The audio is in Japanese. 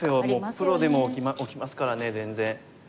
プロでも起きますからね全然。